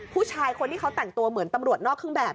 ผู้ชายคนที่เขาแต่งตัวเหมือนตำรวจนอกเครื่องแบบ